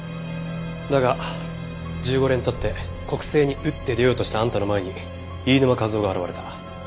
だが１５年経って国政に打って出ようとしたあんたの前に飯沼和郎が現れた。